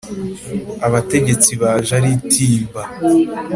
abategetsi baje ari itimba